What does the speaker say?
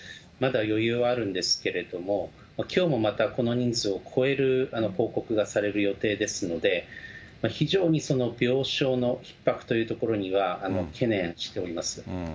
まだ余裕はあるんですけれども、きょうもまたこの人数を超える報告がされる予定ですので、非常に病床のひっ迫というところには、懸念しております。